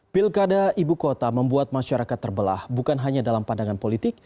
pilkada ibu kota membuat masyarakat terbelah bukan hanya dalam pandangan politik